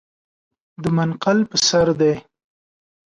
د منقل پر سر دی .